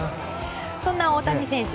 そんな大谷選手